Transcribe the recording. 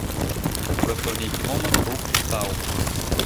Проста ў нейкі момант рух стаў.